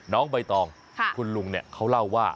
น้องใบตองคุณลุงเขาเล่าว่า